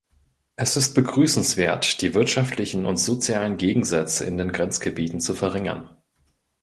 Es ist begrüßenswert, die wirtschaftlichen und sozialen Gegensätze in den Grenzgebieten zu verringern.